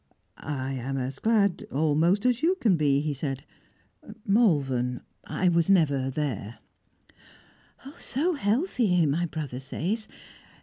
"I am as glad, almost, as you can be," he said. "Malvern, I never was there." "So healthy, my brother says!